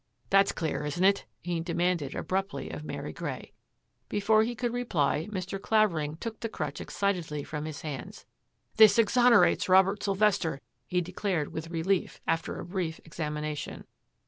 That's clear, isn't it? " he demanded abruptly of Mary Grey. Before he could reply, Mr. Clavering took the crutch excitedly from his hands. " This exonerates Robert Sylvester," he declared with relief, after a brief examination.